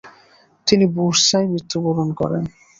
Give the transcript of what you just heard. তিনি বুরসায় মৃত্যুবরণ করেন।